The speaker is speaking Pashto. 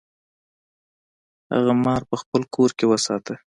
هغه مار په خپل کور کې وساته.